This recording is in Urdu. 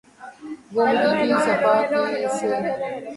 زندگی کی سفاکی کی اس سے بڑھ کر دلیل اور کیا ہوسکتی ہے